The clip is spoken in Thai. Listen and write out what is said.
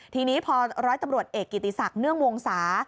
ทีนี้พอร้อยตำรวจเอกกิติศักดิ์เนื่องวงศา